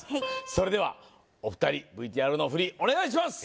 それではお二人ＶＴＲの振りお願いします